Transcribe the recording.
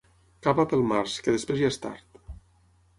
Cava pel març, que després ja és tard.